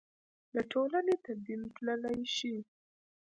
د ټولنې تدین تللای شي.